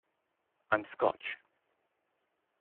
I'm Scotch.